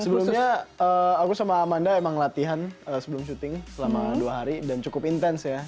sebelumnya aku sama amanda emang latihan sebelum syuting selama dua hari dan cukup intens ya